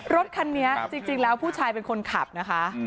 รถคันนี้จริงแล้วผู้ชายเป็นคนขับนะคะ